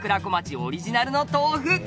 オリジナルの豆腐！」